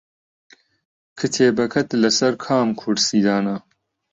کتێبەکەت لەسەر کام کورسی دانا؟